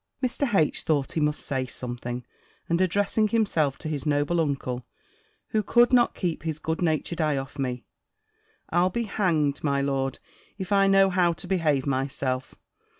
Mr. H. thought he must say something, and addressing himself to his noble uncle, who could not keep his good natured eye off me "I'll be hang'd, my lord, if I know how to behave myself!